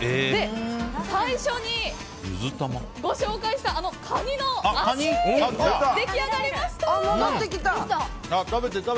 最初に紹介したあのカニの脚出来上がりました！